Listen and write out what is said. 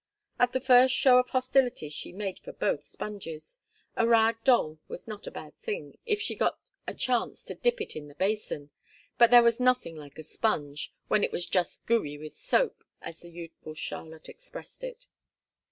At the first show of hostilities she made for both sponges a rag doll was not a bad thing, if she got a chance to dip it into the basin, but there was nothing like a sponge, when it was 'just gooey with soap,' as the youthful Charlotte expressed it.